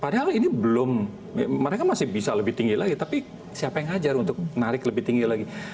padahal ini belum mereka masih bisa lebih tinggi lagi tapi siapa yang hajar untuk menarik lebih tinggi lagi